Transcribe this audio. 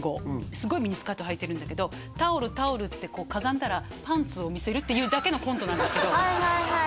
すごいミニスカートはいてるんだけどタオルタオルってかがんだらていうだけのコントなんですけどはい